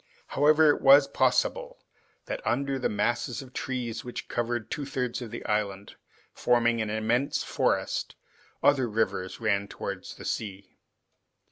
However, it was possible that under the masses of trees which covered two thirds of the island, forming an immense forest, other rivers ran towards the sea.